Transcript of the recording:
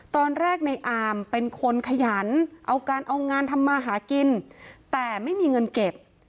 ตอนแรกในอามเป็นคนขยันเอาการเอางานทำมาหากินแต่ไม่มีเงินเก็บ